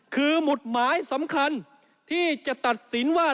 คือหมุดหมายสำคัญที่จะตัดสินว่า